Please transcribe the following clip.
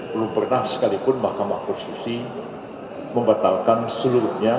belum pernah sekalipun mahkamah konstitusi membatalkan seluruhnya